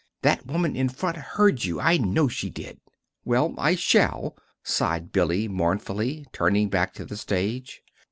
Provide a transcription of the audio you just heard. "That woman in front heard you, I know she did!" "Well, I shall," sighed Billy, mournfully, turning back to the stage.